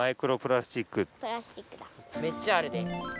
めっちゃあるで。